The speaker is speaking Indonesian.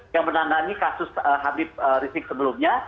yang menandani kasus habib risik sebelumnya